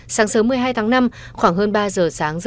sáng sớm một mươi hai tháng năm khoảng hơn ba giờ sáng giờ ba